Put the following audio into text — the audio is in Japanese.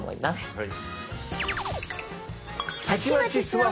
はい。